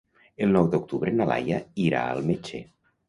El nou d'octubre na Laia irà al metge.